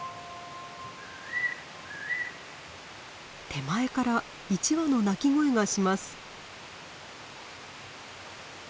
手前から１羽の鳴き声がします。